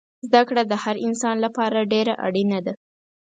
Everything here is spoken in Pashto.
زده کړه دهر انسان لپاره دیره اړینه ده